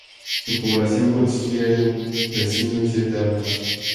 Su población consistía en un vecino y siete almas.